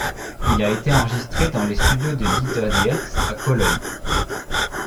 Il a été enregistré dans les studios de Dieter Dierks à Cologne.